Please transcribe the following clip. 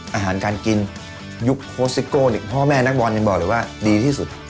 อาหารการกินยุคโค้ชซิโก้พ่อแม่นักบอลยังบอกเลยว่าดีที่สุด